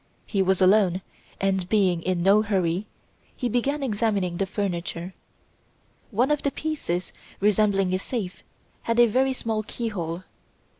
He was alone, and, being in no hurry, he began examining the furniture. One of the pieces, resembling a safe, had a very small keyhole.